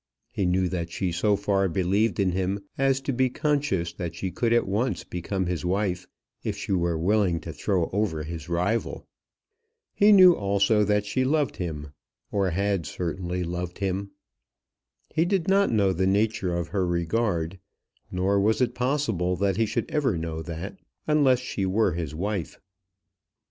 He knew that she so far believed in him as to be conscious that she could at once become his wife if she were willing to throw over his rival. He knew also that she loved him, or had certainly loved him. He did not know the nature of her regard; nor was it possible that he should ever know that, unless she were his wife.